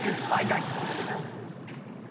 ハイライト。